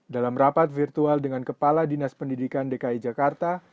dalam rapat virtual dengan kepala dinas pendidikan dki jakarta